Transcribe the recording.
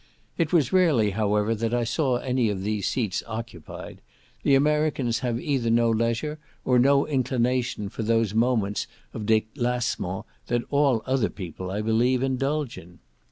It was rarely, however, that I saw any of these seats occupied; the Americans have either no leisure, or no inclination for those moments of delassement that all other people, I believe, indulge in.